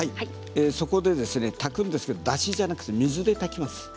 そこで炊くんですがだしではなく水で炊きます。